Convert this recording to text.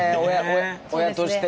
親としては。